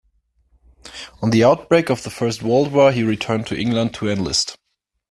On the outbreak of the First World War he returned to England to enlist.